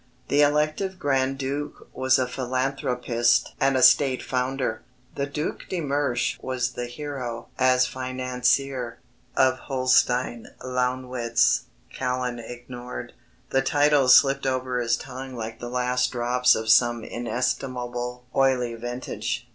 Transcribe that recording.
The Elective Grand Duke was a philanthropist and a State Founder, the Duc de Mersch was the hero as financier. "Of Holstein Launewitz," Callan ignored. The titles slipped over his tongue like the last drops of some inestimable oily vintage.